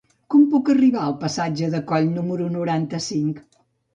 Com puc arribar al passatge de Coll número noranta-cinc?